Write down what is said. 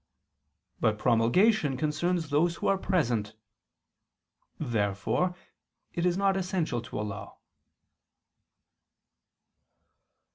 But promulgation concerns those who are present. Therefore it is not essential to a law.